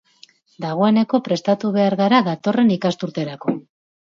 Dagoeneko prestatu behar gara datorren ikasturterako.